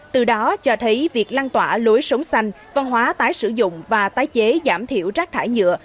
từ đó cho thấy việc lan tỏa lối sống xanh văn hóa tái sử dụng và tái chế giảm thiểu rác thải nhựa